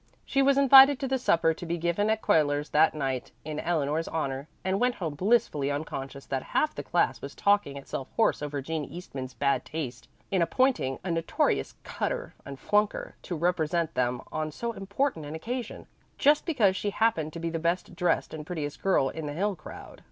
She was invited to the supper to be given at Cuyler's that night in Eleanor's honor, and went home blissfully unconscious that half the class was talking itself hoarse over Jean Eastman's bad taste in appointing a notorious "cutter" and "flunker" to represent them on so important an occasion, just because she happened to be the best dressed and prettiest girl in the Hill crowd.